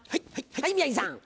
はい宮治さん。